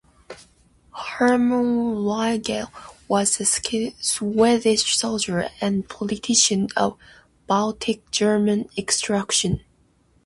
Herman Wrangel was a Swedish soldier and politician of Baltic German extraction.